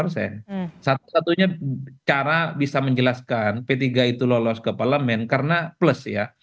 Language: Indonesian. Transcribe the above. satu satunya cara bisa menjelaskan p tiga itu lolos ke parlemen karena plus ya